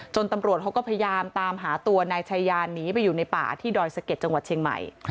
ตำรวจเขาก็พยายามตามหาตัวนายชายาหนีไปอยู่ในป่าที่ดอยสะเก็ดจังหวัดเชียงใหม่